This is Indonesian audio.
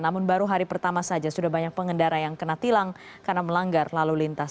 namun baru hari pertama saja sudah banyak pengendara yang kena tilang karena melanggar lalu lintas